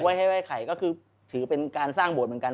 ให้ไห้ไข่ก็คือถือเป็นการสร้างโบสถ์เหมือนกัน